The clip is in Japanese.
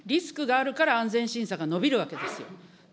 リスクがあるから安全審査が延びるわけですよ。